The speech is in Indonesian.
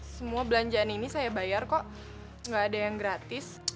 semua belanjaan ini saya bayar kok nggak ada yang gratis